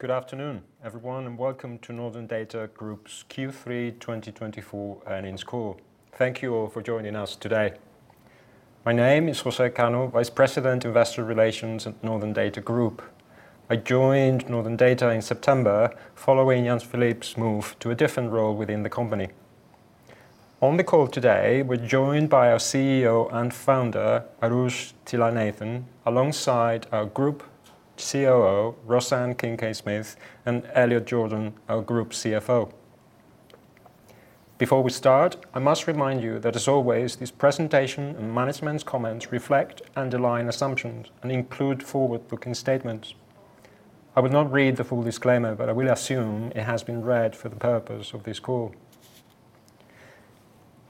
Good afternoon, everyone, and welcome to Northern Data Group's Q3 2024 Earnings Call. Thank you all for joining us today. My name is Jose Cano, Vice President, Investor Relations at Northern Data Group. I joined Northern Data in September, following Jens-Philipp Briemle move to a different role within the company. On the call today, we're joined by our CEO and founder, Aroosh Thillainathan, alongside our Group COO, Rosanne Kincaid-Smith, and Elliot Jordan, our Group CFO. Before we start, I must remind you that, as always, this presentation and management's comments reflect underlying assumptions and include forward-looking statements. I will not read the full disclaimer, but I will assume it has been read for the purpose of this call.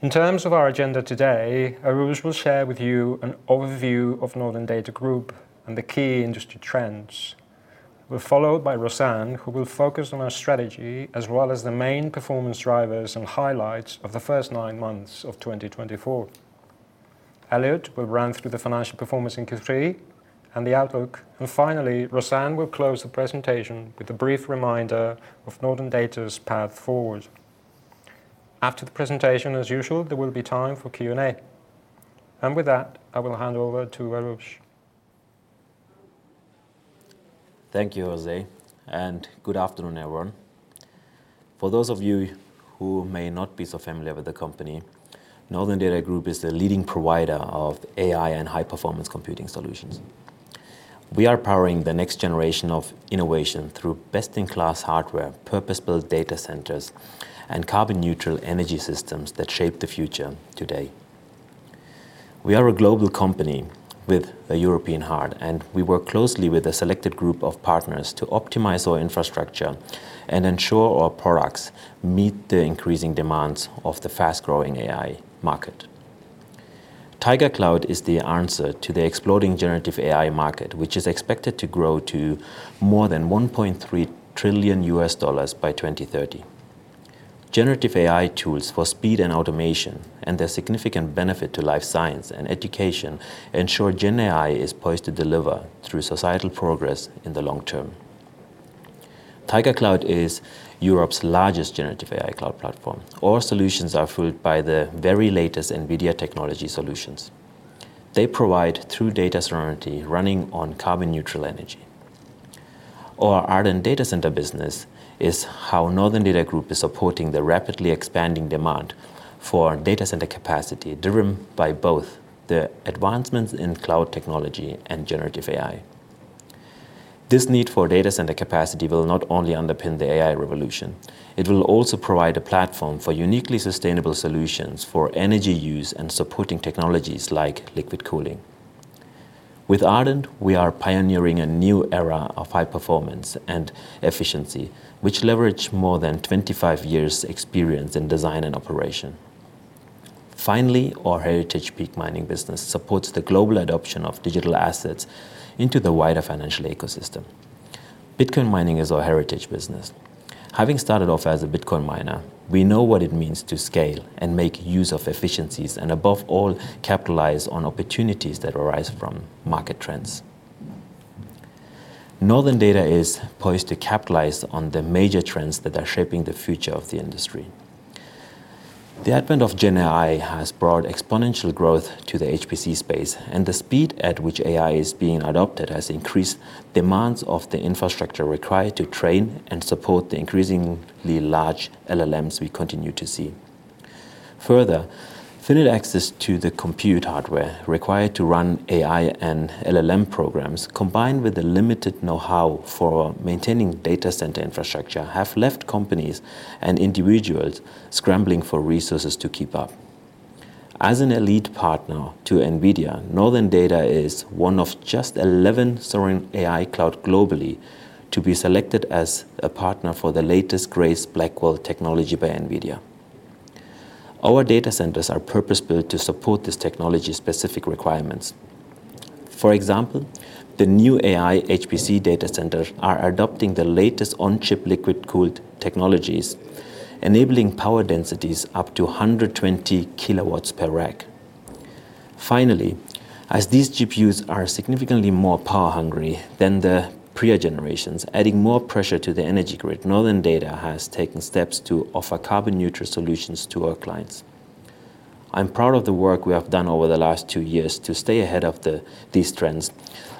In terms of our agenda today, Aroosh will share with you an overview of Northern Data Group and the key industry trends. We're followed by Rosanne, who will focus on our strategy, as well as the main performance drivers and highlights of the first nine months of 2024. Elliot will run through the financial performance in Q3 and the outlook. And finally, Rosanne will close the presentation with a brief reminder of Northern Data's path forward. After the presentation, as usual, there will be time for Q&A. And with that, I will hand over to Aroosh. Thank you, Jose, and good afternoon, everyone. For those of you who may not be so familiar with the company, Northern Data Group is the leading provider of AI and high-performance computing solutions. We are powering the next generation of innovation through best-in-class hardware, purpose-built data centers, and carbon neutral energy systems that shape the future today. We are a global company with a European heart, and we work closely with a selected group of partners to optimize our infrastructure and ensure our products meet the increasing demands of the fast-growing AI market. Taiga Cloud is the answer to the exploding generative AI market, which is expected to grow to more than $1.3 trillion by 2030. Generative AI tools for speed and automation, and their significant benefit to life science and education, ensure GenAI is poised to deliver through societal progress in the long term. Taiga Cloud is Europe's largest generative AI cloud platform. All solutions are fueled by the very latest NVIDIA technology solutions. They provide true data sovereignty running on carbon neutral energy. Our Ardent Data Centers business is how Northern Data Group is supporting the rapidly expanding demand for data center capacity, driven by both the advancements in cloud technology and generative AI. This need for data center capacity will not only underpin the AI revolution, it will also provide a platform for uniquely sustainable solutions for energy use and supporting technologies like liquid cooling. With Ardent, we are pioneering a new era of high performance and efficiency, which leverage more than 25 years experience in design and operation. Finally, our heritage Peak Mining business supports the global adoption of digital assets into the wider financial ecosystem. Bitcoin mining is our heritage business. Having started off as a Bitcoin miner, we know what it means to scale and make use of efficiencies, and above all, capitalize on opportunities that arise from market trends. Northern Data is poised to capitalize on the major trends that are shaping the future of the industry. The advent of GenAI has brought exponential growth to the HPC space, and the speed at which AI is being adopted has increased demands of the infrastructure required to train and support the increasingly large LLMs we continue to see. Further, limited access to the compute hardware required to run AI and LLM programs, combined with the limited know-how for maintaining data center infrastructure, have left companies and individuals scrambling for resources to keep up. As an elite partner to NVIDIA, Northern Data is one of just 11 sovereign AI cloud globally to be selected as a partner for the latest Grace Blackwell technology by NVIDIA. Our data centers are purpose-built to support this technology's specific requirements. For example, the new AI HPC data centers are adopting the latest on-chip liquid-cooled technologies, enabling power densities up to 120 kW per rack. Finally, as these GPUs are significantly more power hungry than the prior generations, adding more pressure to the energy grid, Northern Data has taken steps to offer carbon neutral solutions to our clients. I'm proud of the work we have done over the last two years to stay ahead of these trends,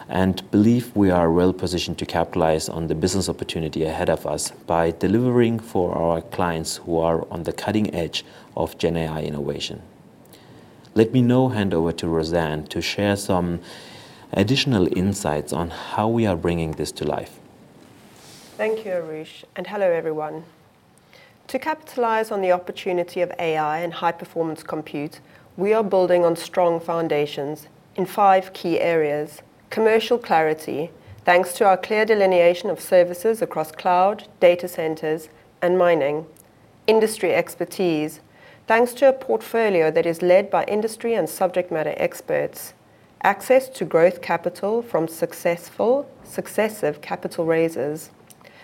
and believe we are well positioned to capitalize on the business opportunity ahead of us by delivering for our clients who are on the cutting edge of GenAI innovation. Let me now hand over to Rosanne to share some additional insights on how we are bringing this to life. Thank you, Aroosh, and hello, everyone. To capitalize on the opportunity of AI and high-performance compute, we are building on strong foundations in five key areas: commercial clarity, thanks to our clear delineation of services across cloud, data centers, and mining. Industry expertise, thanks to a portfolio that is led by industry and subject matter experts. Access to growth capital from successful successive capital raises.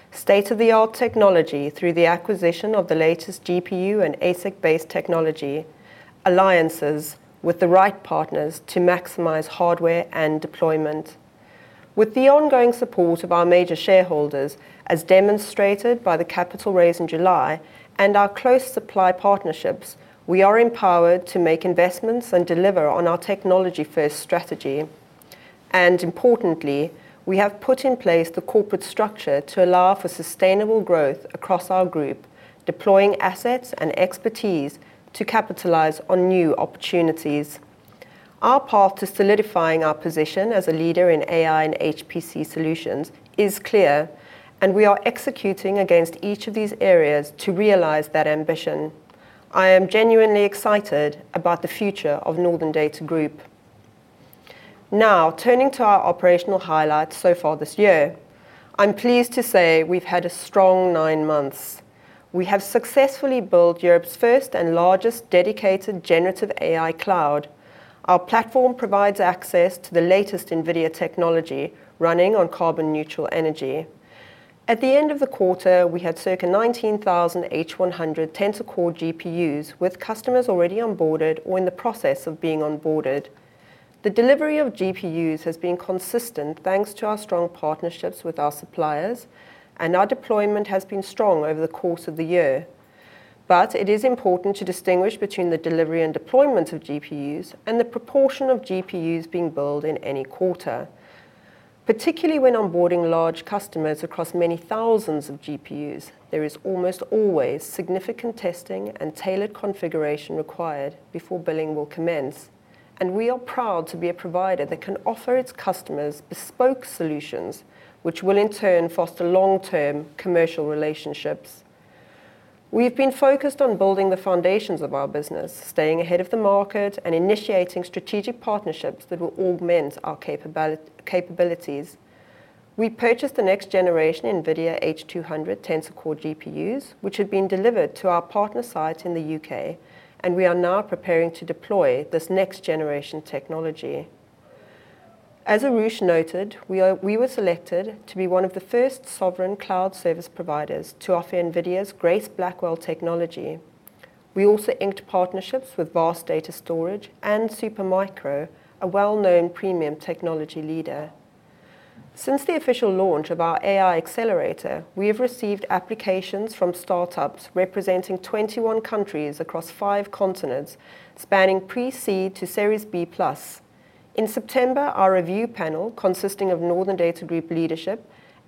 State-of-the-art technology through the acquisition of the latest GPU and ASIC-based technology. Alliances with the right partners to maximize hardware and deployment. With the ongoing support of our major shareholders, as demonstrated by the capital raise in July and our close supply partnerships, we are empowered to make investments and deliver on our technology-first strategy, and importantly, we have put in place the corporate structure to allow for sustainable growth across our group, deploying assets and expertise to capitalize on new opportunities. Our path to solidifying our position as a leader in AI and HPC solutions is clear, and we are executing against each of these areas to realize that ambition. I am genuinely excited about the future of Northern Data Group. Now, turning to our operational highlights so far this year, I'm pleased to say we've had a strong nine months. We have successfully built Europe's first and largest dedicated generative AI cloud. Our platform provides access to the latest NVIDIA technology running on carbon neutral energy. At the end of the quarter, we had circa 19,000 H100 Tensor Core GPUs, with customers already onboarded or in the process of being onboarded. The delivery of GPUs has been consistent, thanks to our strong partnerships with our suppliers, and our deployment has been strong over the course of the year. It is important to distinguish between the delivery and deployment of GPUs and the proportion of GPUs being billed in any quarter. Particularly when onboarding large customers across many thousands of GPUs, there is almost always significant testing and tailored configuration required before billing will commence, and we are proud to be a provider that can offer its customers bespoke solutions, which will in turn foster long-term commercial relationships. We've been focused on building the foundations of our business, staying ahead of the market, and initiating strategic partnerships that will augment our capabilities. We purchased the next-generation NVIDIA H200 Tensor Core GPUs, which have been delivered to our partner site in the U.K., and we are now preparing to deploy this next-generation technology. As Aroosh noted, we were selected to be one of the first sovereign cloud service providers to offer NVIDIA's Grace Blackwell technology. We also inked partnerships with VAST Data and Supermicro, a well-known premium technology leader. Since the official launch of our AI accelerator, we have received applications from startups representing 21 countries across five continents, spanning pre-seed to Series B plus. In September, our review panel, consisting of Northern Data Group leadership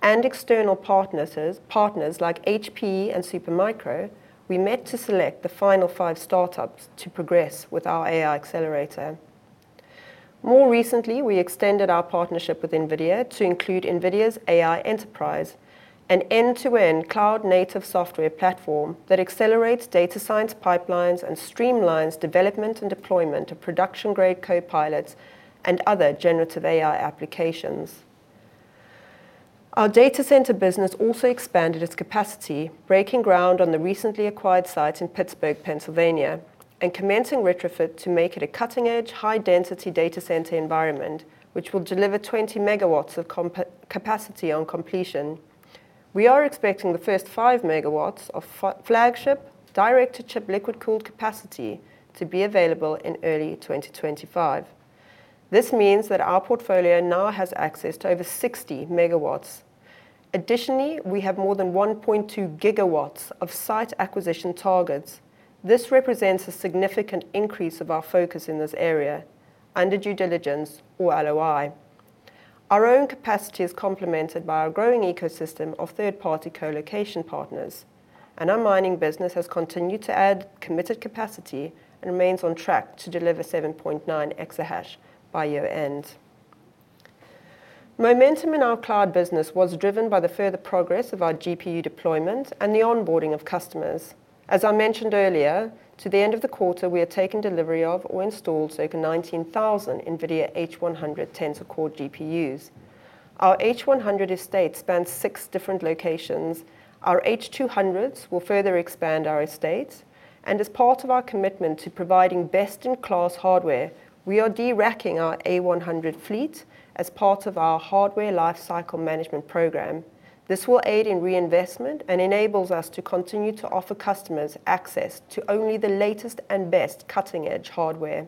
and external partners, partners like HP and Supermicro, we met to select the final five startups to progress with our AI accelerator. More recently, we extended our partnership with NVIDIA to include NVIDIA's AI Enterprise, an end-to-end cloud-native software platform that accelerates data science pipelines and streamlines development and deployment of production-grade copilots and other generative AI applications. Our data center business also expanded its capacity, breaking ground on the recently acquired site in Pittsburgh, Pennsylvania, and commencing retrofit to make it a cutting-edge, high-density data center environment, which will deliver 20 MW of capacity on completion. We are expecting the first 5 MW of flagship direct-to-chip liquid-cooled capacity to be available in early 2025. This means that our portfolio now has access to over 60 MW. Additionally, we have more than 1.2 GW of site acquisition targets. This represents a significant increase of our focus in this area under due diligence or LOI. Our own capacity is complemented by our growing ecosystem of third-party colocation partners, and our mining business has continued to add committed capacity and remains on track to deliver 7.9 EH/s by year-end. Momentum in our cloud business was driven by the further progress of our GPU deployment and the onboarding of customers. As I mentioned earlier, to the end of the quarter, we had taken delivery of or installed circa nineteen thousand NVIDIA H100 Tensor Core GPUs. Our H100 estate spans six different locations. Our H200s will further expand our estate, and as part of our commitment to providing best-in-class hardware, we are de-racking our A100 fleet as part of our hardware lifecycle management program. This will aid in reinvestment and enables us to continue to offer customers access to only the latest and best cutting-edge hardware.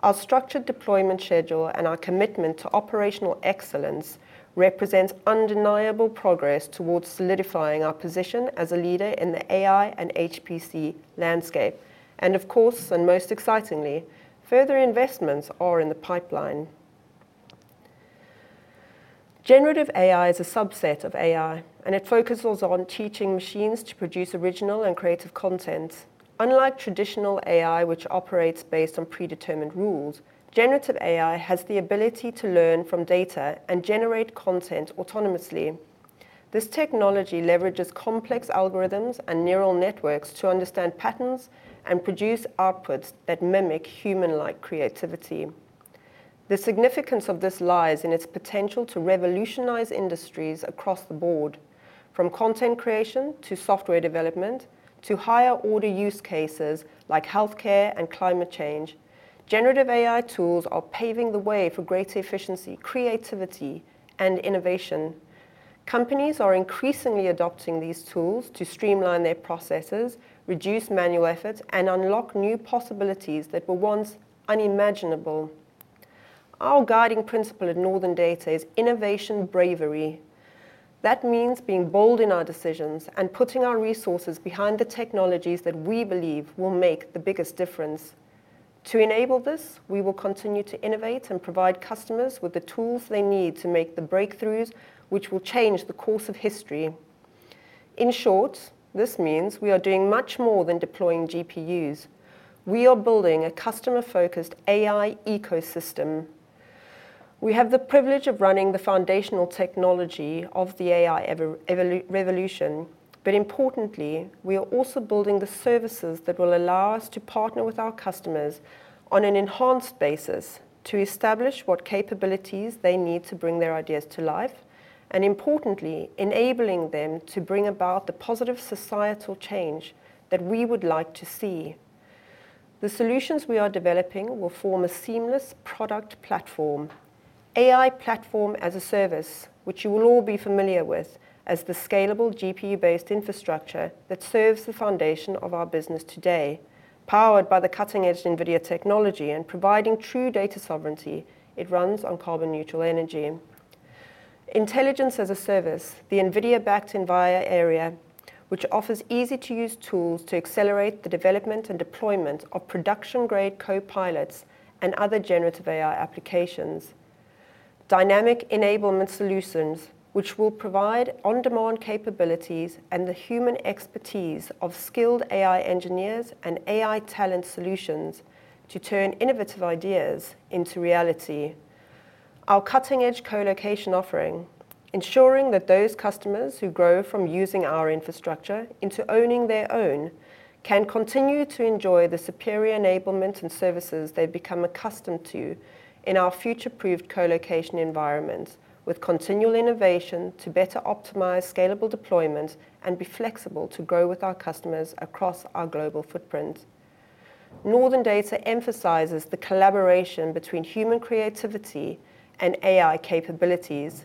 Our structured deployment schedule and our commitment to operational excellence represents undeniable progress towards solidifying our position as a leader in the AI and HPC landscape. Of course, and most excitingly, further investments are in the pipeline. Generative AI is a subset of AI, and it focuses on teaching machines to produce original and creative content. Unlike traditional AI, which operates based on predetermined rules, generative AI has the ability to learn from data and generate content autonomously. This technology leverages complex algorithms and neural networks to understand patterns and produce outputs that mimic human-like creativity. The significance of this lies in its potential to revolutionize industries across the board, from content creation to software development, to higher-order use cases like healthcare and climate change. Generative AI tools are paving the way for greater efficiency, creativity, and innovation.... Companies are increasingly adopting these tools to streamline their processes, reduce manual efforts, and unlock new possibilities that were once unimaginable. Our guiding principle at Northern Data is innovation bravery. That means being bold in our decisions and putting our resources behind the technologies that we believe will make the biggest difference. To enable this, we will continue to innovate and provide customers with the tools they need to make the breakthroughs which will change the course of history. In short, this means we are doing much more than deploying GPUs. We are building a customer-focused AI ecosystem. We have the privilege of running the foundational technology of the AI ever-evolving revolution, but importantly, we are also building the services that will allow us to partner with our customers on an enhanced basis to establish what capabilities they need to bring their ideas to life, and importantly, enabling them to bring about the positive societal change that we would like to see. The solutions we are developing will form a seamless product platform. AI platform as a service, which you will all be familiar with, as the scalable GPU-based infrastructure that serves the foundation of our business today, powered by the cutting-edge NVIDIA technology and providing true data sovereignty. It runs on carbon-neutral energy. Intelligence as a service, the NVIDIA-backed AI Enterprise, which offers easy-to-use tools to accelerate the development and deployment of production-grade copilots and other generative AI applications. Dynamic enablement solutions, which will provide on-demand capabilities and the human expertise of skilled AI engineers and AI talent solutions to turn innovative ideas into reality. Our cutting-edge colocation offering, ensuring that those customers who grow from using our infrastructure into owning their own, can continue to enjoy the superior enablement and services they've become accustomed to in our future-proofed colocation environment, with continual innovation to better optimize scalable deployment and be flexible to grow with our customers across our global footprint. Northern Data emphasizes the collaboration between human creativity and AI capabilities,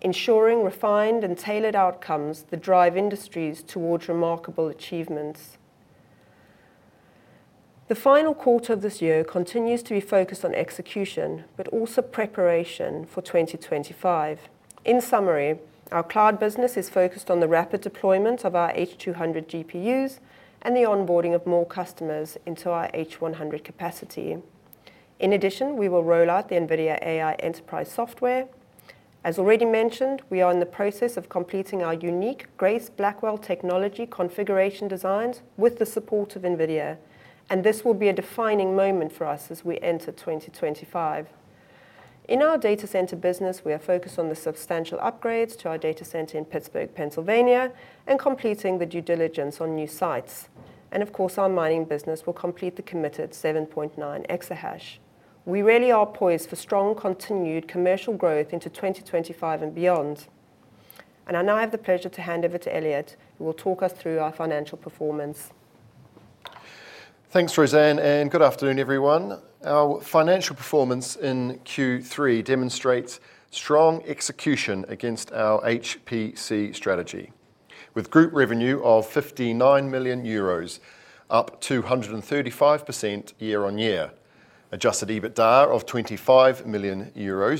ensuring refined and tailored outcomes that drive industries towards remarkable achievements. The final quarter of this year continues to be focused on execution, but also preparation for 2025. In summary, our cloud business is focused on the rapid deployment of our H200 GPUs and the onboarding of more customers into our H100 capacity. In addition, we will roll out the NVIDIA AI Enterprise software. As already mentioned, we are in the process of completing our unique Grace Blackwell technology configuration designs with the support of NVIDIA, and this will be a defining moment for us as we enter 2025. In our data center business, we are focused on the substantial upgrades to our data center in Pittsburgh, Pennsylvania, and completing the due diligence on new sites. Of course, our mining business will complete the committed 7.9 EH/s. We really are poised for strong, continued commercial growth into 2025 and beyond. And I now have the pleasure to hand over to Elliot, who will talk us through our financial performance. Thanks, Rosanne, and good afternoon, everyone. Our financial performance in Q3 demonstrates strong execution against our HPC strategy, with group revenue of 59 million euros, up 235% year-on-year, adjusted EBITDA of EUR 25 million,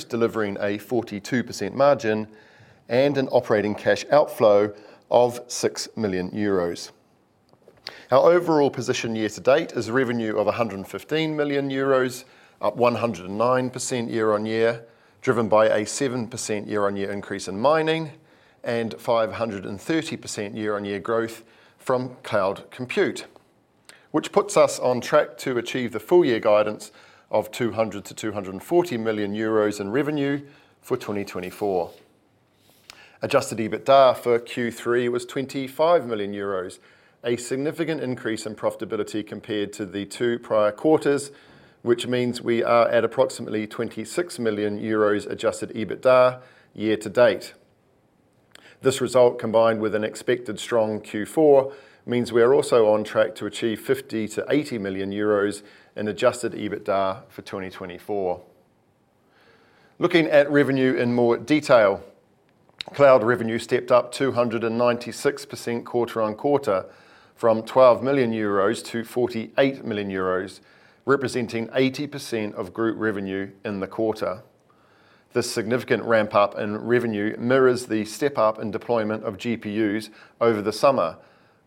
delivering a 42% margin, and an operating cash outflow of 6 million euros. Our overall position year to date is revenue of 115 million euros, up 109% year-on-year, driven by a 7% year on year increase in mining and 530% year-on-year growth from cloud compute, which puts us on track to achieve the full year guidance of 200 million to 240 million euros in revenue for 2024. Adjusted EBITDA for Q3 was 25 million euros, a significant increase in profitability compared to the two prior quarters, which means we are at approximately 26 million euros adjusted EBITDA year to date. This result, combined with an expected strong Q4, means we are also on track to achieve 50-80 million euros in adjusted EBITDA for 2024. Looking at revenue in more detail, cloud revenue stepped up 296% quarter-on-quarter from 12 million euros to 48 million euros, representing 80% of group revenue in the quarter. This significant ramp-up in revenue mirrors the step-up in deployment of GPUs over the summer,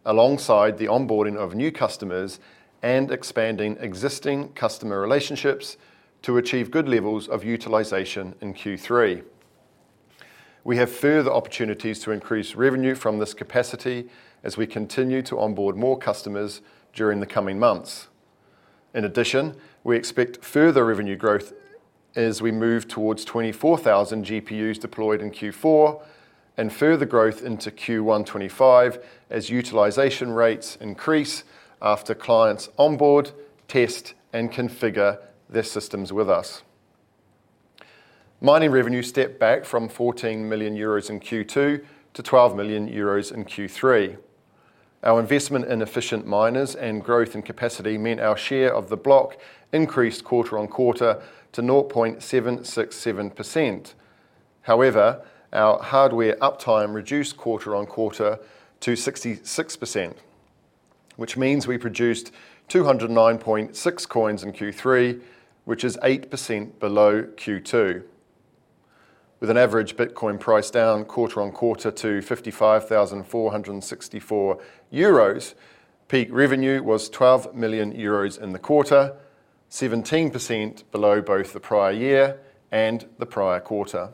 alongside the onboarding of new customers and expanding existing customer relationships to achieve good levels of utilization in Q3. We have further opportunities to increase revenue from this capacity as we continue to onboard more customers during the coming months. In addition, we expect further revenue growth as we move towards 24,000 GPUs deployed in Q4 and further growth into Q1 2025 as utilization rates increase after clients onboard, test, and configure their systems with us. Mining revenue stepped back from 14 million euros in Q2 to 12 million euros in Q3. Our investment in efficient miners and growth and capacity meant our share of the block increased quarter-on-quarter to 0.767%. However, our hardware uptime reduced quarter-on-quarter to 6%, which means we produced 209.6 coins in Q3, which is 8% below Q2. With an average Bitcoin price down quarter-on-quarter to 55,464 euros, Peak revenue was 12 million euros in the quarter, 17% below both the prior year and the prior quarter.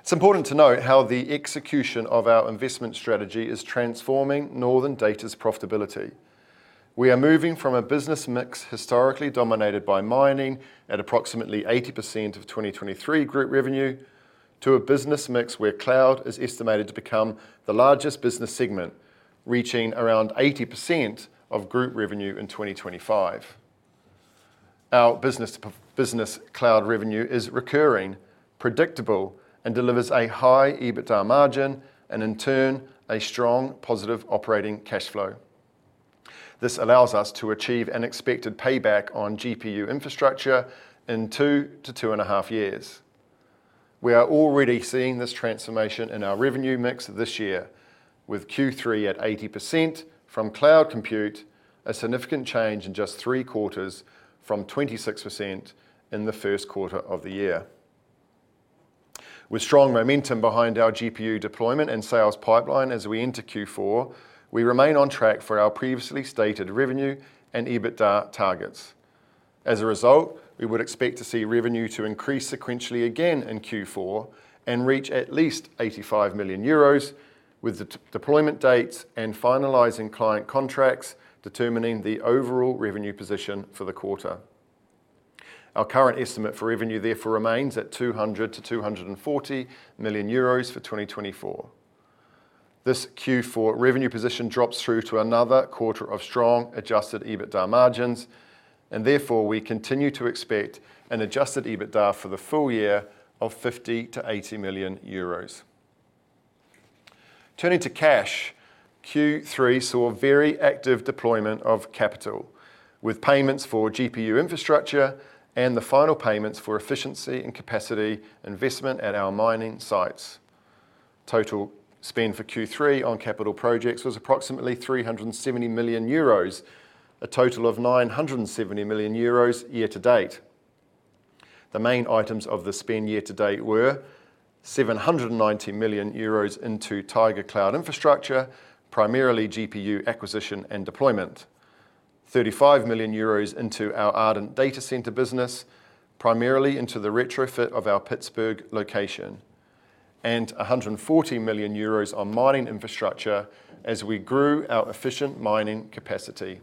It's important to note how the execution of our investment strategy is transforming Northern Data's profitability. We are moving from a business mix historically dominated by mining at approximately 80% of 2023 group revenue, to a business mix where cloud is estimated to become the largest business segment, reaching around 80% of group revenue in 2025. Our business cloud revenue is recurring, predictable, and delivers a high EBITDA margin, and in turn, a strong positive operating cash flow. This allows us to achieve an expected payback on GPU infrastructure in 2-2.5 years. We are already seeing this transformation in our revenue mix this year, with Q3 at 80% from cloud compute, a significant change in just three quarters from 26% in the first quarter of the year. With strong momentum behind our GPU deployment and sales pipeline as we enter Q4, we remain on track for our previously stated revenue and EBITDA targets. As a result, we would expect to see revenue to increase sequentially again in Q4 and reach at least 85 million euros, with the deployment dates and finalizing client contracts determining the overall revenue position for the quarter. Our current estimate for revenue therefore remains at 200 million-240 million euros for 2024. This Q4 revenue position drops through to another quarter of strong Adjusted EBITDA margins, and therefore, we continue to expect an Adjusted EBITDA for the full year of 50 million-80 million euros. Turning to cash, Q3 saw very active deployment of capital, with payments for GPU infrastructure and the final payments for efficiency and capacity investment at our mining sites. Total spend for Q3 on capital projects was approximately 370 million euros, a total of 970 million euros year-to-date. The main items of the spend year-to-date were 790 million euros into Taiga Cloud Infrastructure, primarily GPU acquisition and deployment. 35 million euros into our Ardent Data Centers business, primarily into the retrofit of our Pittsburgh location, and 140 million euros on mining infrastructure as we grew our efficient mining capacity.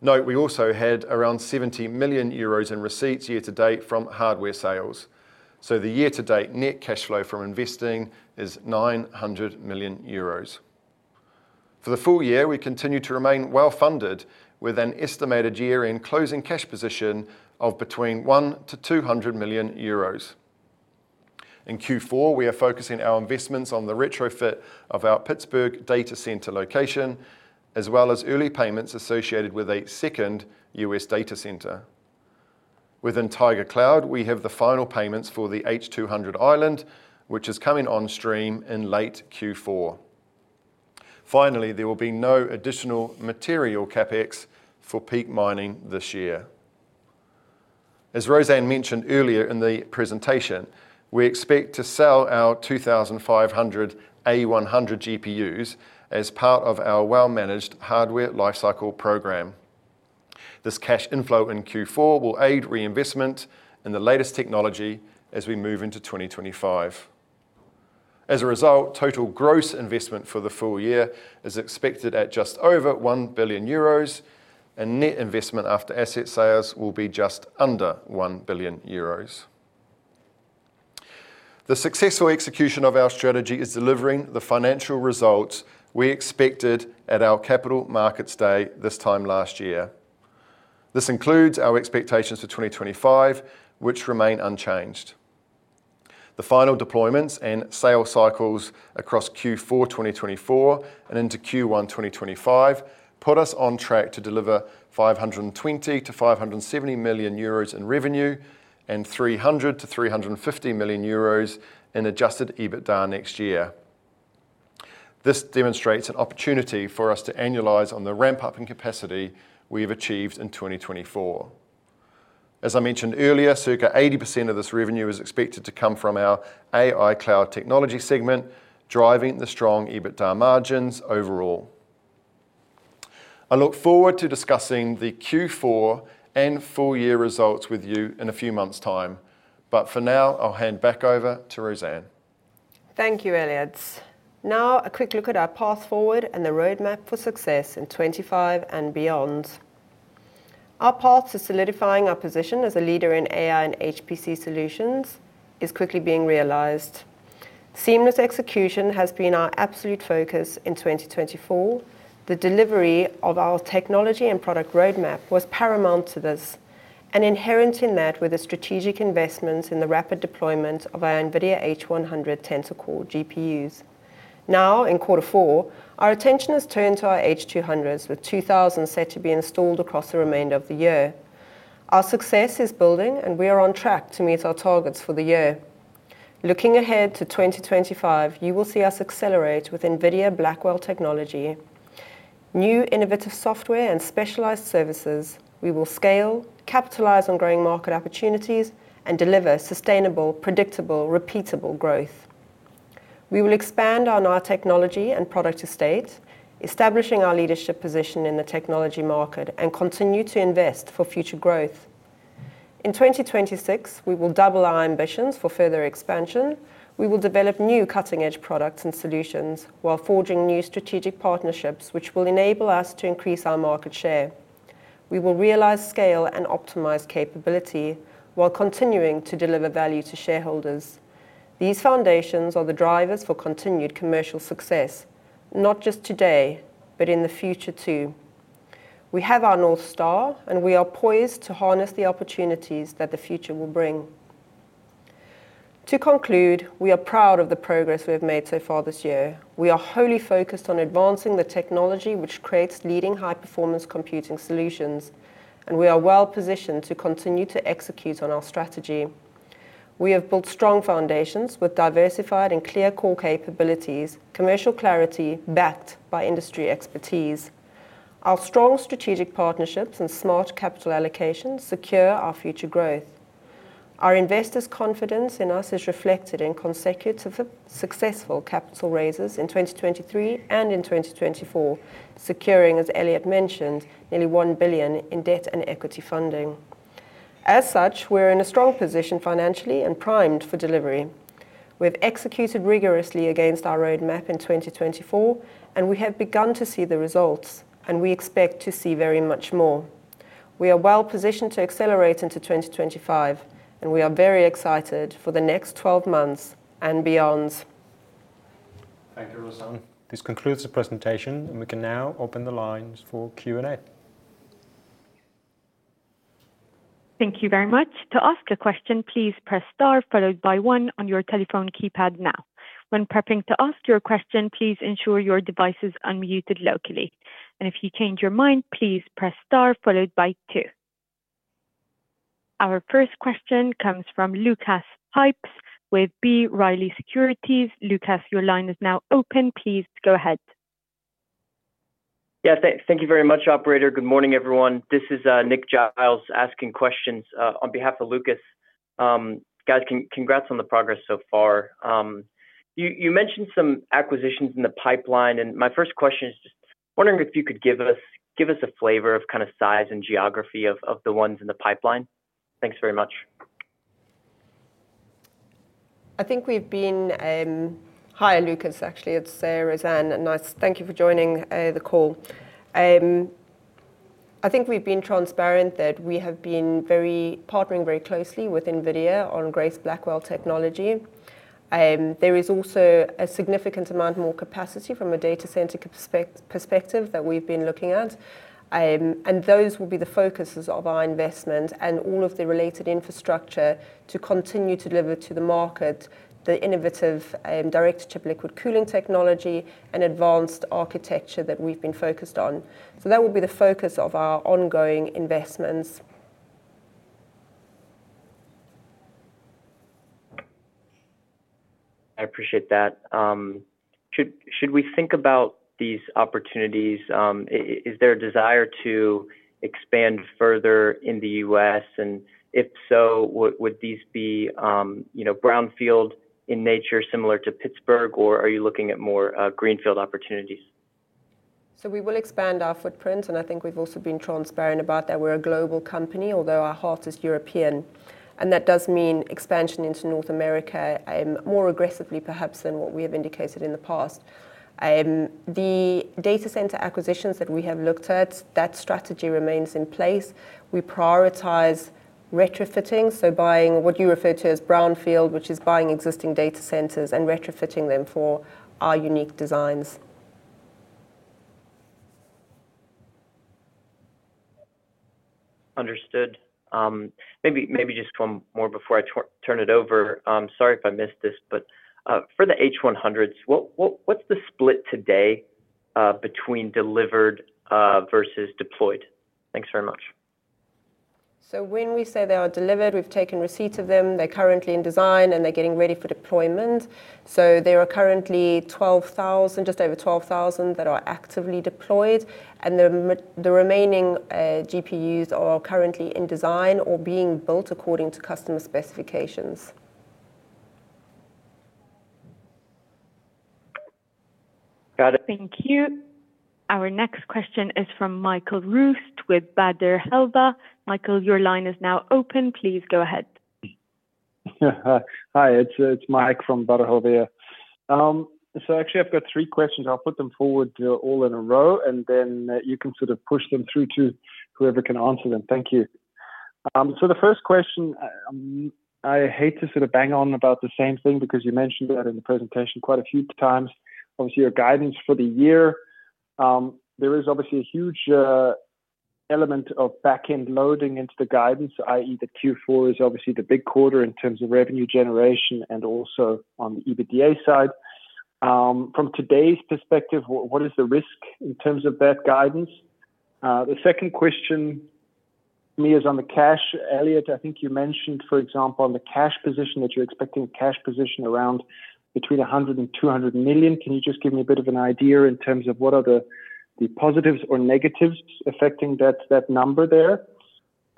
Note, we also had around 70 million euros in receipts year-to-date from hardware sales, so the year-to-date net cash flow from investing is 900 million euros. For the full year, we continue to remain well-funded, with an estimated year-end closing cash position of between 100 million to 200 million euros. In Q4, we are focusing our investments on the retrofit of our Pittsburgh data center location, as well as early payments associated with a second US data center. Within Taiga Cloud, we have the final payments for the H200 install, which is coming on stream in late Q4. Finally, there will be no additional material CapEx for Peak Mining this year. As Rosanne mentioned earlier in the presentation, we expect to sell our 2,500 A100 GPUs as part of our well-managed hardware lifecycle program. This cash inflow in Q4 will aid reinvestment in the latest technology as we move into 2025. As a result, total gross investment for the full year is expected at just over 1 billion euros, and net investment after asset sales will be just under 1 billion euros. The successful execution of our strategy is delivering the financial results we expected at our Capital Markets Day this time last year. This includes our expectations for 2025, which remain unchanged. The final deployments and sale cycles across Q4, 2024 and into Q1, 2025, put us on track to deliver 520 million- 570 million euros in revenue and 300- 350 million euros in Adjusted EBITDA next year. This demonstrates an opportunity for us to annualize on the ramp-up in capacity we've achieved in 2024. As I mentioned earlier, circa 80% of this revenue is expected to come from our AI Cloud technology segment, driving the strong EBITDA margins overall. I look forward to discussing the Q4 and full year results with you in a few months' time, but for now, I'll hand back over to Rosanne. Thank you, Elliot. Now, a quick look at our path forward and the roadmap for success in 2025 and beyond. Our path to solidifying our position as a leader in AI and HPC solutions is quickly being realized. Seamless execution has been our absolute focus in 2024. The delivery of our technology and product roadmap was paramount to this, and inherent in that were the strategic investments in the rapid deployment of our NVIDIA H100 Tensor Core GPUs. Now, in quarter four, our attention has turned to our H200s, with 2,000 set to be installed across the remainder of the year. Our success is building, and we are on track to meet our targets for the year. Looking ahead to 2025, you will see us accelerate with NVIDIA Blackwell technology, new innovative software and specialized services. We will scale, capitalize on growing market opportunities, and deliver sustainable, predictable, repeatable growth. We will expand on our technology and product estate, establishing our leadership position in the technology market, and continue to invest for future growth. In 2026, we will double our ambitions for further expansion. We will develop new cutting-edge products and solutions while forging new strategic partnerships, which will enable us to increase our market share. We will realize scale and optimize capability while continuing to deliver value to shareholders. These foundations are the drivers for continued commercial success, not just today, but in the future, too. We have our North Star, and we are poised to harness the opportunities that the future will bring. To conclude, we are proud of the progress we have made so far this year. We are wholly focused on advancing the technology which creates leading high-performance computing solutions, and we are well positioned to continue to execute on our strategy. We have built strong foundations with diversified and clear core capabilities, commercial clarity backed by industry expertise. Our strong strategic partnerships and smart capital allocations secure our future growth. Our investors' confidence in us is reflected in consecutive successful capital raises in 2023 and in 2024, securing, as Elliot mentioned, nearly 1 billion in debt and equity funding. As such, we're in a strong position financially and primed for delivery. We've executed rigorously against our roadmap in 2024, and we have begun to see the results, and we expect to see very much more. We are well positioned to accelerate into 2025, and we are very excited for the next twelve months and beyond. Thank you, Rosanne. This concludes the presentation, and we can now open the lines for Q&A. Thank you very much. To ask a question, please press star followed by one on your telephone keypad now. When prepping to ask your question, please ensure your device is unmuted locally, and if you change your mind, please press star followed by two. Our first question comes from Lucas Pipes with B. Riley Securities. Lucas, your line is now open. Please go ahead. Yeah, thank you very much, operator. Good morning, everyone. This is Nick Giles asking questions on behalf of Lucas. Guys, congrats on the progress so far. You mentioned some acquisitions in the pipeline, and my first question is just wondering if you could give us a flavor of kind of size and geography of the ones in the pipeline. Thanks very much. I think we've been. Hi, Lucas. Actually, it's Rosanne, and nice - thank you for joining the call. I think we've been transparent that we have been very partnering very closely with NVIDIA on Grace Blackwell technology. There is also a significant amount more capacity from a data center perspective that we've been looking at. And those will be the focuses of our investment and all of the related infrastructure to continue to deliver to the market the innovative direct chip liquid cooling technology and advanced architecture that we've been focused on. So that will be the focus of our ongoing investments. I appreciate that. Should we think about these opportunities? Is there a desire to expand further in the U.S.? And if so, would these be, you know, brownfield in nature, similar to Pittsburgh, or are you looking at more greenfield opportunities? So we will expand our footprint, and I think we've also been transparent about that. We're a global company, although our heart is European, and that does mean expansion into North America, more aggressively, perhaps, than what we have indicated in the past. The data center acquisitions that we have looked at, that strategy remains in place. We prioritize retrofitting, so buying what you refer to as brownfield, which is buying existing data centers and retrofitting them for our unique designs. Understood. Maybe just one more before I turn it over. Sorry if I missed this, but for the H100s, what's the split today between delivered versus deployed? Thanks very much. So when we say they are delivered, we've taken receipt of them. They're currently in design, and they're getting ready for deployment. So there are currently twelve thousand, just over twelve thousand, that are actively deployed, and the remaining GPUs are currently in design or being built according to customer specifications. Got it. Thank you. Our next question is from Michael Roost with Baader Helvea. Michael, your line is now open. Please go ahead. Hi, it's Mike from Baader Helvea. So actually I've got three questions. I'll put them forward, all in a row, and then you can sort of push them through to whoever can answer them. Thank you. So the first question, I hate to sort of bang on about the same thing because you mentioned it in the presentation quite a few times. Obviously, your guidance for the year, there is obviously a huge element of back-end loading into the guidance, i.e., the Q4 is obviously the big quarter in terms of revenue generation and also on the EBITDA side. From today's perspective, what is the risk in terms of that guidance? The second question for me is on the cash. Elliot, I think you mentioned, for example, on the cash position, that you're expecting a cash position around between 100 million and 200 million. Can you just give me a bit of an idea in terms of what are the positives or negatives affecting that number there?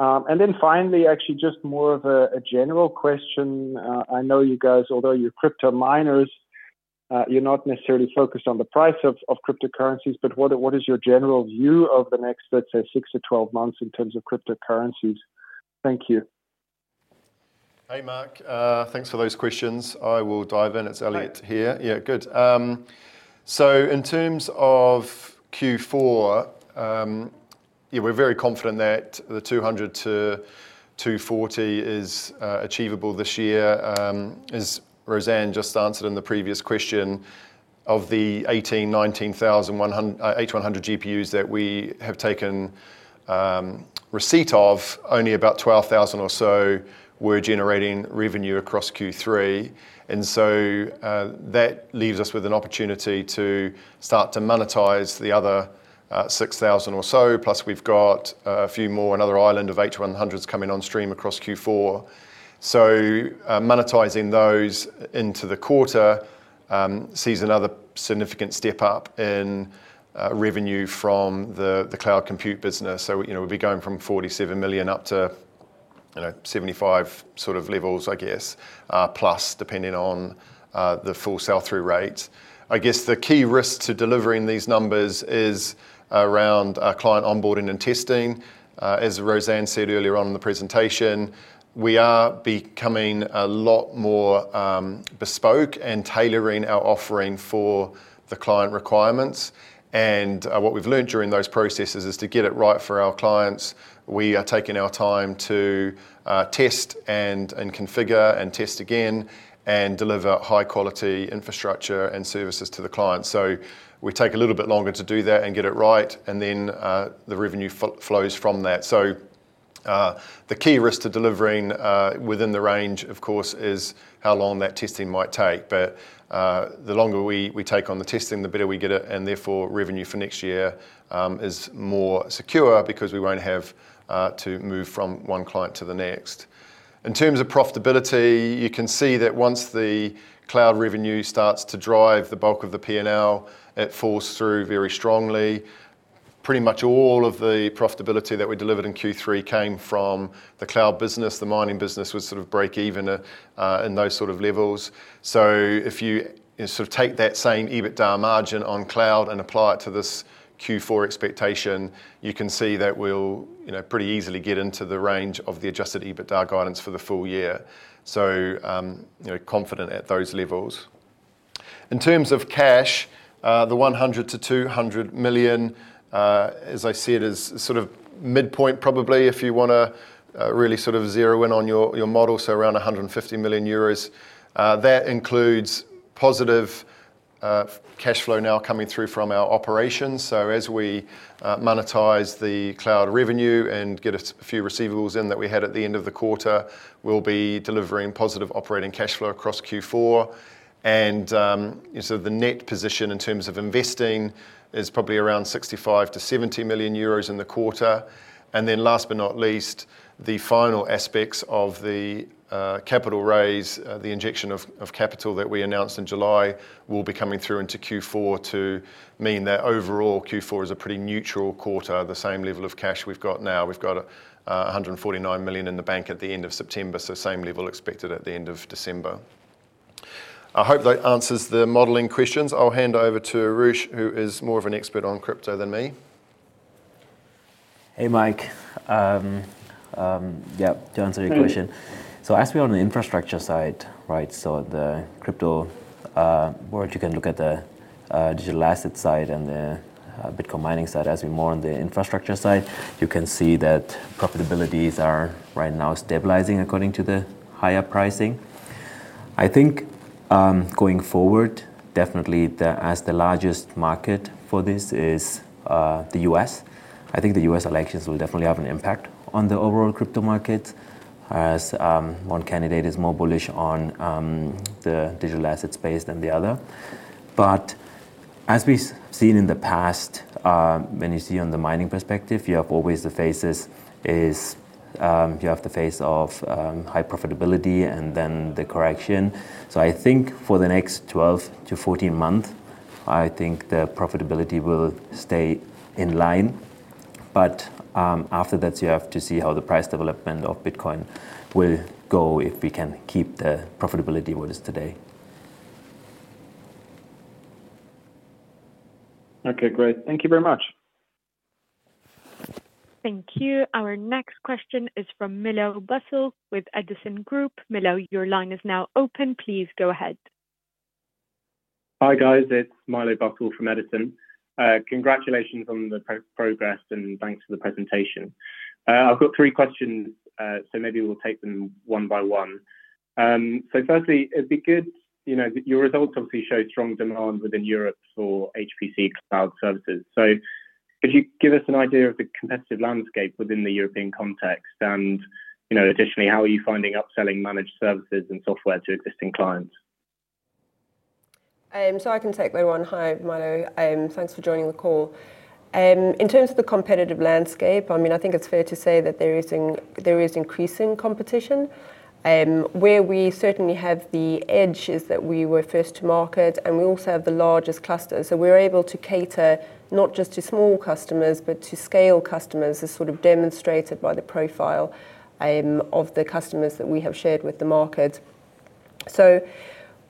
And then finally, actually just more of a general question. I know you guys, although you're crypto miners, you're not necessarily focused on the price of cryptocurrencies, but what is your general view of the next, let's say, six to 12 months in terms of cryptocurrencies? Thank you. Hey, Mike. Thanks for those questions. I will dive in. It's Elliot here. Great. Yeah, good. So in terms of Q4, yeah, we're very confident that the 200 to 240 is achievable this year. As Rosanne just answered in the previous question, of the 18,000-19,000 H100 GPUs that we have taken receipt of, only about 12,000 or so were generating revenue across Q3. And so, that leaves us with an opportunity to start to monetize the other six thousand or so, plus we've got a few more, another island of H100s coming on stream across Q4. So monetizing those into the quarter sees another significant step up in revenue from the cloud compute business. So, you know, we'll be going from 47 million up to, you know, 75 sort of levels, I guess, plus, depending on the full sell-through rate. I guess the key risk to delivering these numbers is around our client onboarding and testing. As Rosanne said earlier on in the presentation, we are becoming a lot more bespoke and tailoring our offering for the client requirements. What we've learned during those processes is to get it right for our clients. We are taking our time to test and configure and test again, and deliver high quality infrastructure and services to the client. So we take a little bit longer to do that and get it right, and then the revenue flows from that. So, the key risk to delivering within the range, of course, is how long that testing might take. But, the longer we take on the testing, the better we get it, and therefore, revenue for next year is more secure because we won't have to move from one client to the next. In terms of profitability, you can see that once the cloud revenue starts to drive the bulk of the P&L, it falls through very strongly. Pretty much all of the profitability that we delivered in Q3 came from the cloud business. The mining business was sort of break even in those sort of levels. So if you sort of take that same EBITDA margin on cloud and apply it to this Q4 expectation, you can see that we'll, you know, pretty easily get into the range of the adjusted EBITDA guidance for the full year. So, you know, confident at those levels. In terms of cash, the 100 million-200 million, as I see it, is sort of midpoint, probably, if you wanna really sort of zero in on your model, so around 150 million euros. That includes positive cash flow now coming through from our operations. So as we monetize the cloud revenue and get a few receivables in that we had at the end of the quarter, we'll be delivering positive operating cash flow across Q4. So the net position in terms of investing is probably around 65-70 million euros in the quarter. Then last but not least, the final aspects of the capital raise, the injection of capital that we announced in July, will be coming through into Q4 to mean that overall Q4 is a pretty neutral quarter, the same level of cash we've got now. We've got 149 million in the bank at the end of September, so same level expected at the end of December. I hope that answers the modeling questions. I'll hand over to Aroosh, who is more of an expert on crypto than me. Hey, Mike. Yep, to answer your question. So as we're on the infrastructure side, right, so the crypto world, you can look at the digital asset side and the Bitcoin mining side. As we're more on the infrastructure side, you can see that profitability's are right now stabilizing according to the higher pricing. I think, going forward, definitely the, as the largest market for this is the U.S. I think the U.S. elections will definitely have an impact on the overall crypto market, as one candidate is more bullish on the digital asset space than the other. But as we've seen in the past, when you see on the mining perspective, you have always the phases is, you have the phase of high profitability and then the correction. So I think for the next 12-14 months, I think the profitability will stay in line. But, after that, you have to see how the price development of Bitcoin will go, if we can keep the profitability with us today. Okay, great. Thank you very much. Thank you. Our next question is from Milo Bussell with Edison Group. Milo, your line is now open. Please go ahead. Hi, guys, it's Milo Bussell from Edison. Congratulations on the progress, and thanks for the presentation. I've got three questions, so maybe we'll take them one by one. So firstly, it'd be good, you know, your results obviously showed strong demand within Europe for HPC cloud services. So could you give us an idea of the competitive landscape within the European context? And, you know, additionally, how are you finding upselling managed services and software to existing clients? So I can take that one. Hi, Milo, thanks for joining the call. In terms of the competitive landscape, I mean, I think it's fair to say that there is increasing competition. Where we certainly have the edge is that we were first to market, and we also have the largest cluster. So we're able to cater not just to small customers, but to scale customers, as sort of demonstrated by the profile of the customers that we have shared with the market. So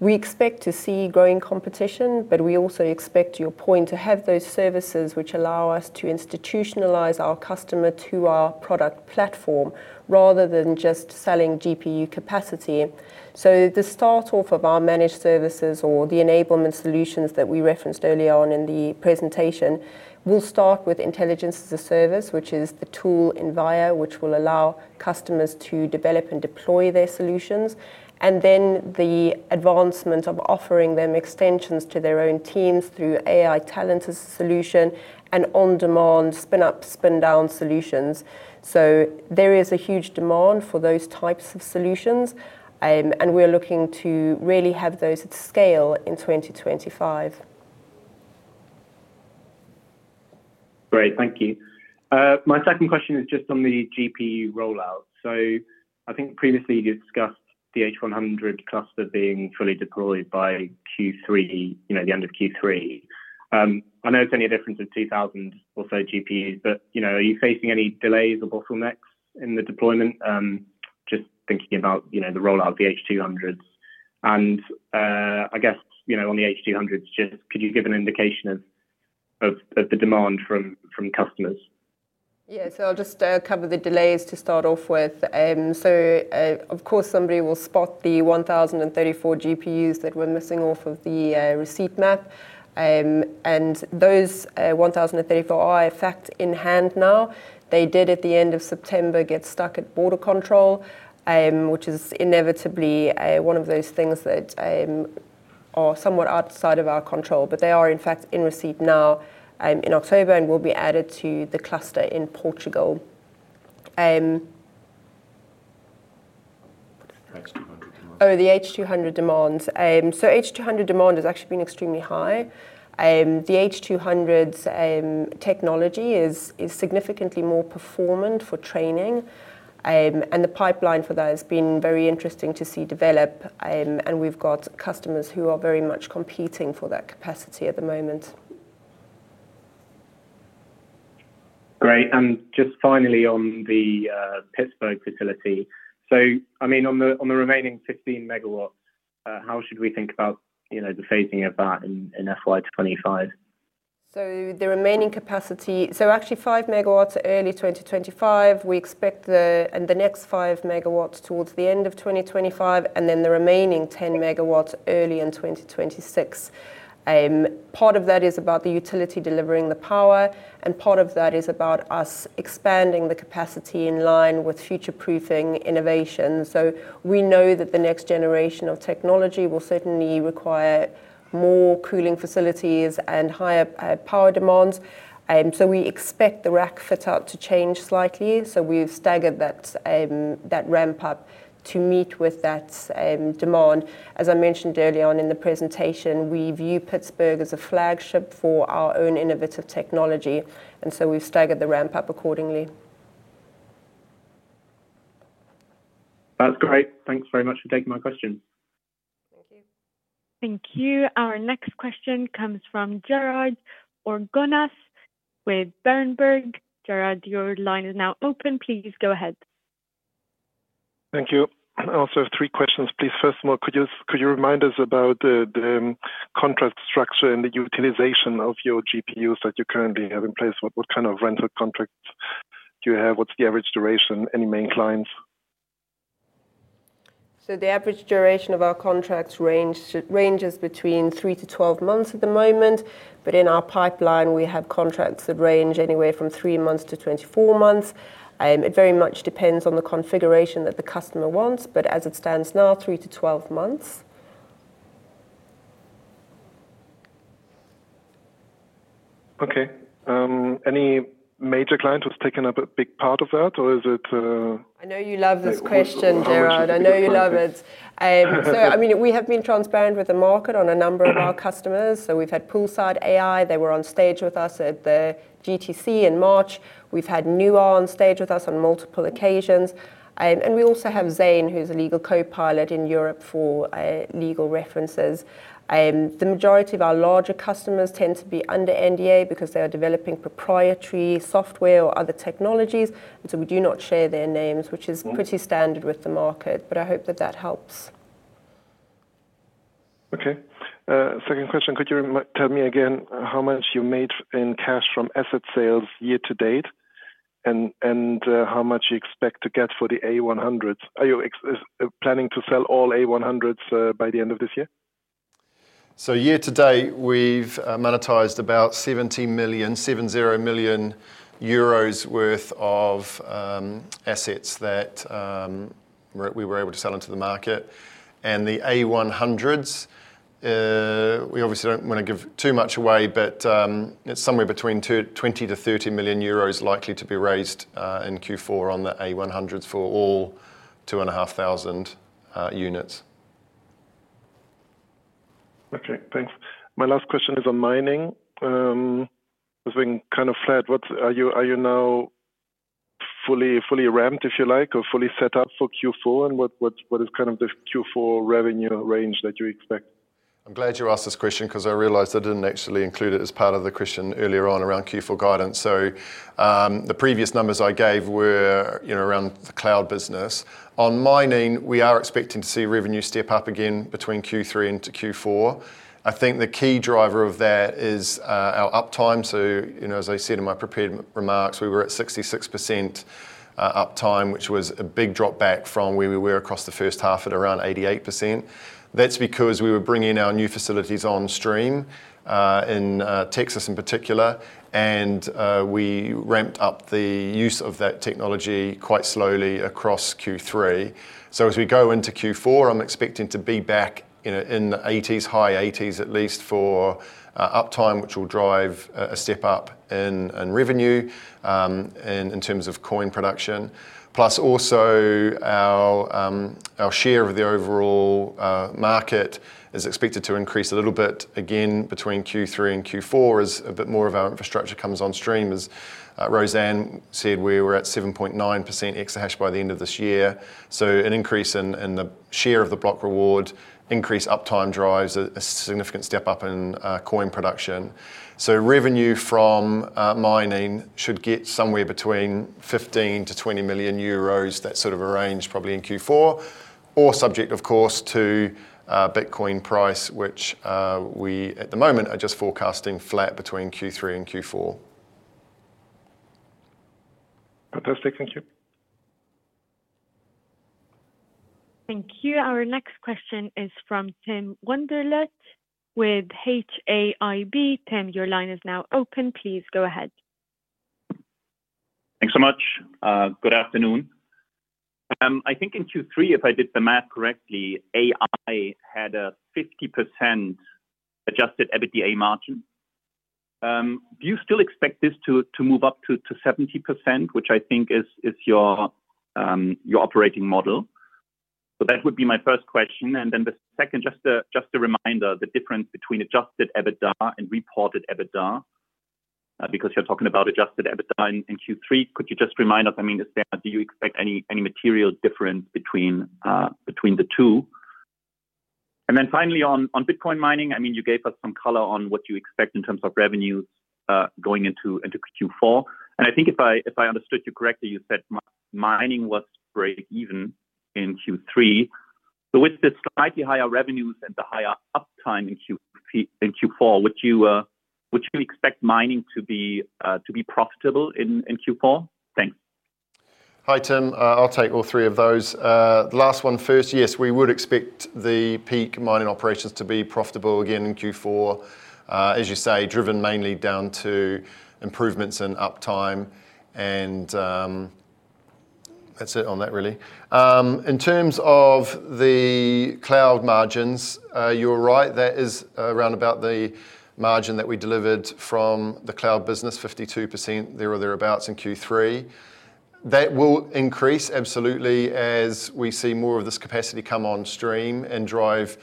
we expect to see growing competition, but we also expect, to your point, to have those services which allow us to institutionalize our customer to our product platform, rather than just selling GPU capacity. To start off of our managed services or the enablement solutions that we referenced earlier on in the presentation, we'll start with intelligence as a service, which is the tool NVIDIA, which will allow customers to develop and deploy their solutions. Then the advancement of offering them extensions to their own teams through AI talent as a solution and on-demand spin-up, spin-down solutions. There is a huge demand for those types of solutions. We're looking to really have those at scale in 2025. Great. Thank you. My second question is just on the GPU rollout. So I think previously you discussed the H100 cluster being fully deployed by Q3, you know, the end of Q3. I know it's only a difference of 2,000 or so GPUs, but, you know, are you facing any delays or bottlenecks in the deployment? Just thinking about, you know, the rollout of the H200s. And I guess, you know, on the H200s, just could you give an indication of the demand from customers? Yeah. So I'll just cover the delays to start off with. So, of course, somebody will spot the one 1,000 and 34 GPUs that were missing off of the receipt map. And those 1,000 and 34 are in fact in hand now. They did, at the end of September, get stuck at border control, which is inevitably one of those things that are somewhat outside of our control. But they are in fact in receipt now, in October, and will be added to the cluster in Portugal. H200 demands. Oh, the H200 demands. So H200 demand has actually been extremely high. The H200's technology is significantly more performant for training. And the pipeline for that has been very interesting to see develop. and we've got customers who are very much competing for that capacity at the moment. Great. And just finally, on the Pittsburgh facility, so, I mean, on the remaining 15 MW, how should we think about, you know, the phasing of that in, in FY 2025? So the remaining capacity, so actually five MW early 2025, we expect the, and the next five MW towards the end of 2025, and then the remaining 10 MW early in 2026. Part of that is about the utility delivering the power, and part of that is about us expanding the capacity in line with future-proofing innovation. So we know that the next generation of technology will certainly require more cooling facilities and higher power demands. So we expect the rack fit-out to change slightly. So we've staggered that, that ramp up to meet with that demand. As I mentioned early on in the presentation, we view Pittsburgh as a flagship for our own innovative technology, and so we've staggered the ramp up accordingly. That's great. Thanks very much for taking my questions. Thank you. Thank you. Our next question comes from Gerhard Orgonas with Berenberg. Gerhard, your line is now open. Please go ahead. Thank you. I also have three questions, please. First of all, could you remind us about the contract structure and the utilization of your GPUs that you currently have in place? What kind of rental contracts do you have? What's the average duration? Any main clients? So the average duration of our contracts range, ranges between three to 12 months at the moment, but in our pipeline, we have contracts that range anywhere from three months to 24 months. It very much depends on the configuration that the customer wants, but as it stands now, three to 12 months. Okay. Any major client who's taken up a big part of that, or is it? I know you love this question, Gerhard. I know you love it. So, I mean, we have been transparent with the market on a number of our customers. So we've had Poolside AI. They were on stage with us at the GTC in March. We've had Neura on stage with us on multiple occasions. And we also have Xayn, who's a legal copilot in Europe for legal references. The majority of our larger customers tend to be under NDA because they are developing proprietary software or other technologies, and so we do not share their names, which is pretty standard with the market, but I hope that that helps. Okay. Second question: Could you retell me again how much you made in cash from asset sales year to date, and how much you expect to get for the A100? Are you planning to sell all A100s by the end of this year? Year to date, we've monetized about 70 million, seven zero million euros worth of assets that we were able to sell into the market. The A100s, we obviously don't wanna give too much away, but it's somewhere between 20 million-30 million euros likely to be raised in Q4 on the A100 for all 2,500 units. Okay, thanks. My last question is on mining. It's been kind of flat. Are you now fully ramped, if you like, or fully set up for Q4? And what is kind of the Q4 revenue range that you expect? I'm glad you asked this question 'cause I realized I didn't actually include it as part of the question earlier on around Q4 guidance. So, the previous numbers I gave were, you know, around the cloud business. On mining, we are expecting to see revenue step up again between Q3 into Q4. I think the key driver of that is our uptime. So, you know, as I said in my prepared remarks, we were at 66% uptime, which was a big drop back from where we were across the first half at around 88%. That's because we were bringing our new facilities on stream in Texas in particular, and we ramped up the use of that technology quite slowly across Q3. So as we go into Q4, I'm expecting to be back in the eighties, high eighties, at least, for uptime, which will drive a step up in revenue in terms of coin production. Plus also, our share of the overall market is expected to increase a little bit again between Q3 and Q4, as a bit more of our infrastructure comes on stream. As Rosanne said, we were at 7.9% EH/s by the end of this year. So an increase in the share of the block reward, increased uptime drives a significant step up in coin production. Revenue from mining should get somewhere between 15-20 million euros, that sort of a range, probably in Q4, or subject, of course, to Bitcoin price, which we at the moment are just forecasting flat between Q3 and Q4. Fantastic. Thank you. Thank you. Our next question is from Tim Wunderlich with HAIB. Tim, your line is now open. Please go ahead. Thanks so much. Good afternoon. I think in Q3, if I did the math correctly, AI had a 50% adjusted EBITDA margin. Do you still expect this to move up to 70%, which I think is your operating model? So that would be my first question, and then the second, just a reminder, the difference between adjusted EBITDA and reported EBITDA, because you're talking about adjusted EBITDA in Q3, could you just remind us? I mean, the standard, do you expect any material difference between the two? And then finally, on Bitcoin mining, I mean, you gave us some color on what you expect in terms of revenue, going into Q4. And I think if I understood you correctly, you said mining was breakeven in Q3. So with the slightly higher revenues and the higher uptime in Q3 in Q4, would you expect mining to be profitable in Q4? Thanks. Hi, Tim. I'll take all three of those. The last one first, yes, we would expect the Peak Mining operations to be profitable again in Q4, as you say, driven mainly down to improvements in uptime and... That's it on that, really. In terms of the cloud margins, you're right, that is around about the margin that we delivered from the cloud business, 52%, there or thereabouts in Q3. That will increase, absolutely, as we see more of this capacity come on stream and drive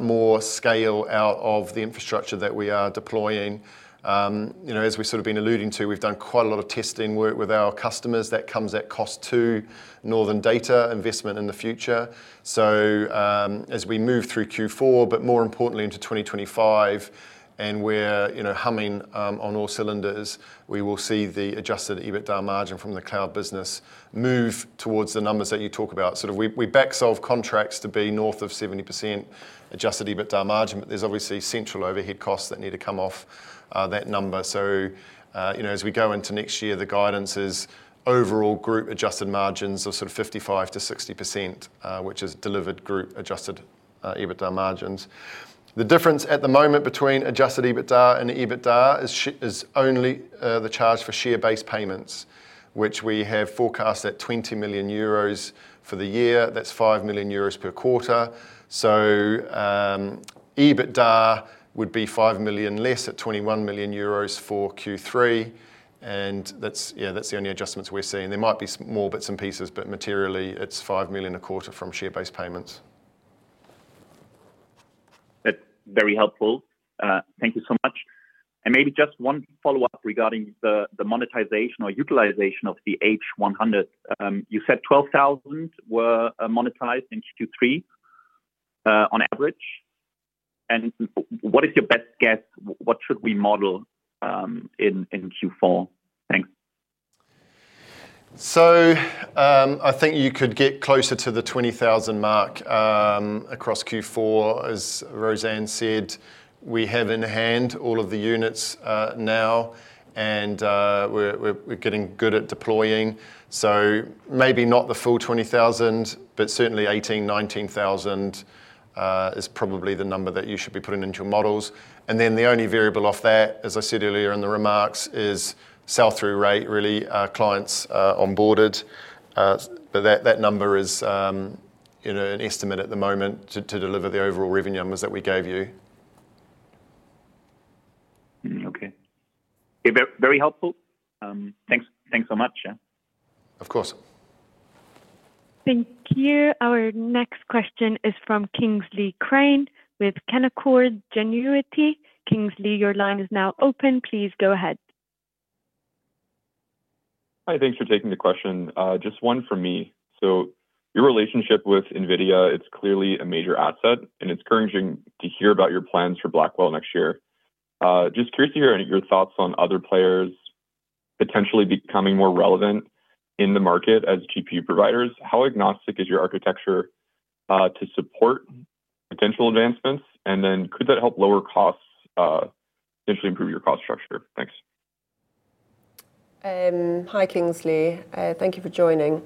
more scale out of the infrastructure that we are deploying. You know, as we've sort of been alluding to, we've done quite a lot of testing work with our customers. That comes at cost to Northern Data investment in the future. As we move through Q4, but more importantly, into 2025, and we're, you know, humming on all cylinders, we will see the adjusted EBITDA margin from the cloud business move towards the numbers that you talk about. Sort of we back solve contracts to be north of 70% adjusted EBITDA margin, but there's obviously central overhead costs that need to come off that number. You know, as we go into next year, the guidance is overall group adjusted margins of sort of 55%-60%, which is delivered group adjusted EBITDA margins. The difference at the moment between adjusted EBITDA and EBITDA is only the charge for share-based payments, which we have forecast at 20 million euros for the year. That's 5 million euros per quarter. So, EBITDA would be 5 million less at 21 million euros for Q3, and that's, yeah, that's the only adjustments we're seeing. There might be some more bits and pieces, but materially, it's 5 million a quarter from share-based payments. That's very helpful. Thank you so much. And maybe just one follow-up regarding the monetization or utilization of the H100. You said 12,000 were monetized in Q3, on average. And what is your best guess, what should we model, in Q4? Thanks. So, I think you could get closer to the 20,000 mark across Q4. As Rosanne said, we have in hand all of the units now, and we're getting good at deploying. Maybe not the full 20,000, but certainly 18,000-19,000 is probably the number that you should be putting into your models. And then the only variable off that, as I said earlier in the remarks, is sell-through rate, really, clients onboarded. But that number is, you know, an estimate at the moment to deliver the overall revenue numbers that we gave you. Okay. Yeah, very helpful. Thanks, thanks so much, yeah. Of course. Thank you. Our next question is from Kingsley Crane with Canaccord Genuity. Kingsley, your line is now open. Please go ahead. Hi, thanks for taking the question. Just one from me. So your relationship with NVIDIA, it's clearly a major asset, and it's encouraging to hear about your plans for Blackwell next year. Just curious to hear your thoughts on other players potentially becoming more relevant in the market as GPU providers. How agnostic is your architecture, to support potential advancements? And then could that help lower costs, potentially improve your cost structure? Thanks. Hi, Kingsley. Thank you for joining.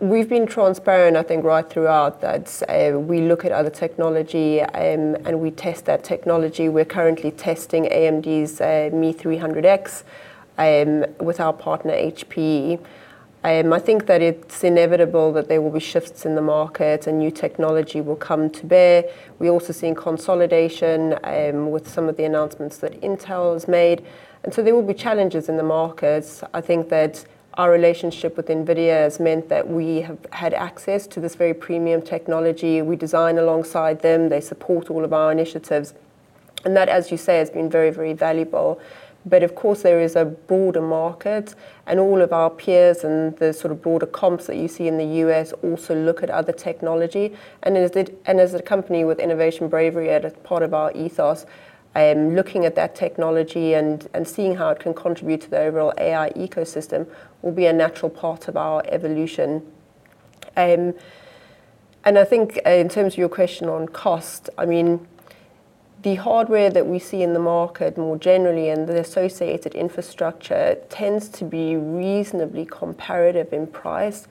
We've been transparent, I think, right throughout, that we look at other technology and we test that technology. We're currently testing AMD's MI300X with our partner, HP. I think that it's inevitable that there will be shifts in the market and new technology will come to bear. We also seen consolidation with some of the announcements that Intel has made, and so there will be challenges in the market. I think that our relationship with NVIDIA has meant that we have had access to this very premium technology. We design alongside them. They support all of our initiatives, and that, as you say, has been very, very valuable. But of course, there is a broader market, and all of our peers and the sort of broader comps that you see in the U.S. also look at other technology. And as a company with innovation bravery as part of our ethos, looking at that technology and seeing how it can contribute to the overall AI ecosystem will be a natural part of our evolution. And I think, in terms of your question on cost, I mean, the hardware that we see in the market more generally and the associated infrastructure tends to be reasonably comparative in price.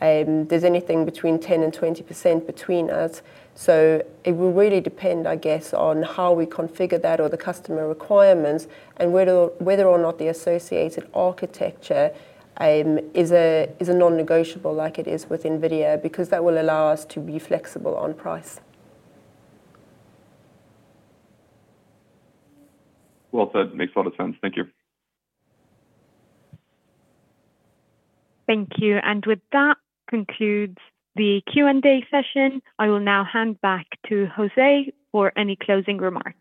There's anything between 10% and 20% between us. So it will really depend, I guess, on how we configure that or the customer requirements, and whether or not the associated architecture is a non-negotiable like it is with NVIDIA, because that will allow us to be flexible on price. Well said. Makes a lot of sense. Thank you. Thank you. And with that, concludes the Q&A session. I will now hand back to Jose for any closing remarks.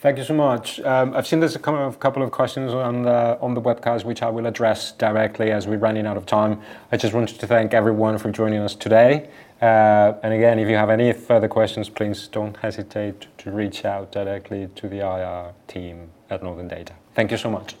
Thank you so much. I've seen there's a couple of questions on the webcast, which I will address directly as we're running out of time. I just wanted to thank everyone for joining us today. And again, if you have any further questions, please don't hesitate to reach out directly to the IR team at Northern Data. Thank you so much.